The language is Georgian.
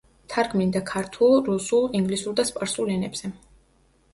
თარგმნიდა ქართულ, რუსულ, ინგლისურ და სპარსულ ენებზე.